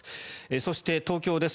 そして、東京です。